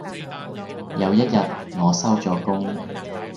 有一日我收咗工